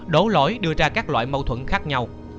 đổ lỗi đưa ra các loại mâu thuẫn khác nhau